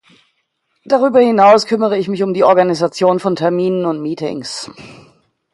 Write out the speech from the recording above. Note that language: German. Darüber hinaus kümmere ich mich um die Organisation von Terminen und Meetings.